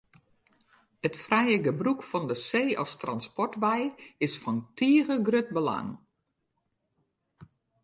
It frije gebrûk fan de see as transportwei is fan tige grut belang.